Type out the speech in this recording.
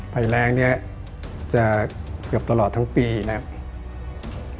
ภัยแรงเนี่ยจะเกือบตลอดทั้งปีนะครับ